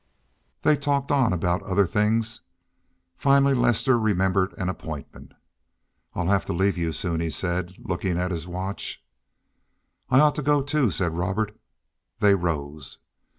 They talked on about other things. Finally Lester remembered an appointment. "I'll have to leave you soon," he said, looking at his watch. "I ought to go, too," said Robert. They rose.